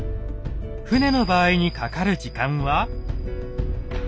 船の場合にかかる時間は。